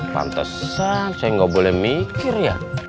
tantesan saya gak boleh mikir ya